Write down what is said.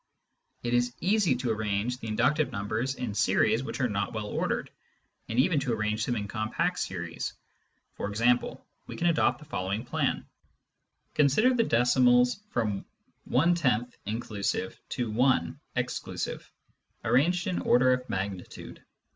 It is easy to arrange the inductive numbers in series which are not well ordered, and even to arrange them in compact series. For example, we can adopt the following plan : consider the decimals from "I (inclusive) to 1 (exclusive), arranged in order of magnitude.